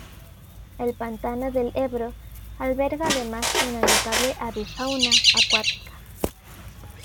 El pantano del Ebro alberga además una notable avifauna acuática.